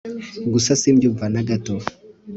gusa simbyumva na gato